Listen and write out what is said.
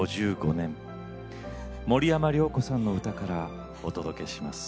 ５５年森山良子さんの歌からお届けします。